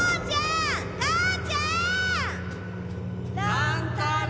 乱太郎！